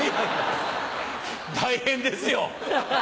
大変ですよ。